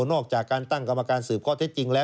นอกจากการตั้งกรรมการสืบข้อเท็จจริงแล้ว